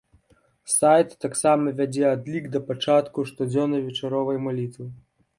Сайт таксама вядзе адлік да пачатку штодзённай вечаровай малітвы.